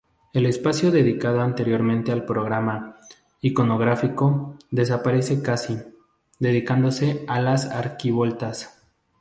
El espacio dedicado anteriormente al programa iconográfico desaparece casi, dedicándose a las arquivoltas.